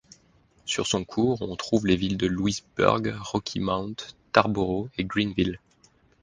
Sur son cours, on trouve les villes de Louisburg, Rocky Mount, Tarboro et Greenville.